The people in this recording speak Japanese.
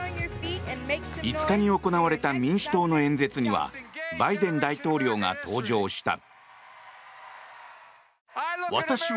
５日に行われた民主党の演説にはバイデン大統領が登場した。